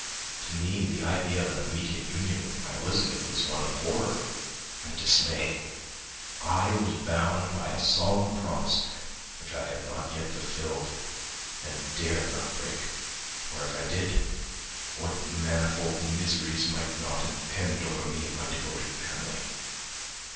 To me the idea of an immediate union with my Elizabeth was one of horror and dismay. I was bound by a solemn promise which I had not yet fulfilled and dared not break, or if I did, what manifold miseries might not impend over me and my devoted family!